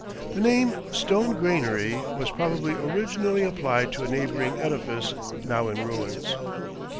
The name "Stone granary" was probably originally applied to a neighboring edifice now in ruins.